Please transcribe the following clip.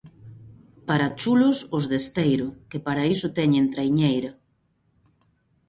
Para chulos, os de Esteiro, que para iso teñen traiñeira.